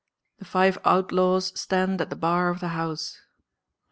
The five outlaws stand at the bar of the house."